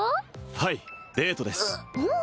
はいデートですほう！